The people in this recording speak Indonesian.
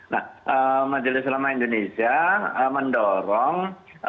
nah majelis ulama indonesia mendorong